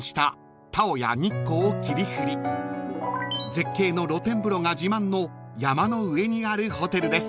［絶景の露天風呂が自慢の山の上にあるホテルです］